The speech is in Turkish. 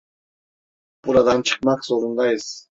Buradan çıkmak zorundayız.